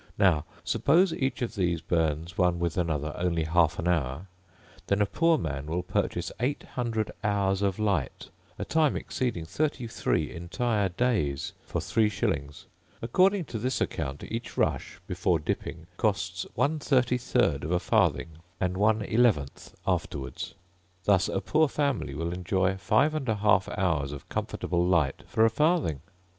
Now suppose each of these burns, one with another, only half an hour, then a poor man will purchase eight hundred hours of light, a time exceeding thirty three entire days, for three shillings. According to this account each rush, before dipping, costs 1/33 of a farthing, and 1/11 afterwards. Thus a poor family will enjoy 5&1/2 hours of comfortable light for a farthing.